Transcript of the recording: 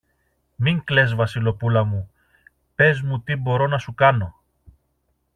Μην κλαις, Βασιλοπούλα μου, πες μου τι μπορώ να σου κάνω!